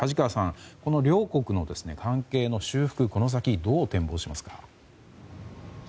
この両国の関係の修復、この先どう転向しますか。